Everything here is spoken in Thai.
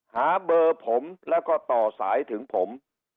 หาเบอร์ผมแล้วก็ต่อสายถึงผม